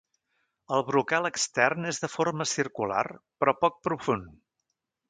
El brocal extern és de forma circular, però poc profund.